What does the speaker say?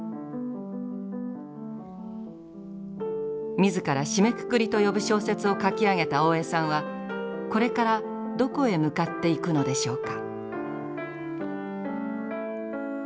自ら締めくくりと呼ぶ小説を書き上げた大江さんはこれからどこへ向かっていくのでしょうか。